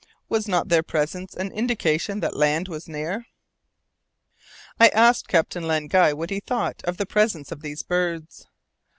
Was not their presence an indication that land was near? I asked Captain Len Guy what he thought of the presence of these birds.